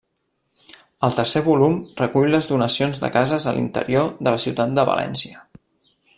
El tercer volum recull les donacions de cases a l'interior de la ciutat de València.